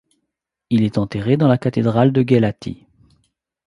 Il est enterré dans la cathédrale de Guelati.